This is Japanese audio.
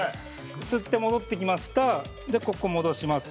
吸って戻ってきましたで、ここ戻します。